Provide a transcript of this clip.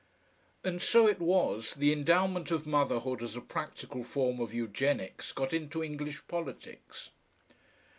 And so it was the Endowment of Motherhood as a practical form of Eugenics got into English politics.